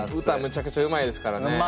歌めちゃくちゃうまいですからね。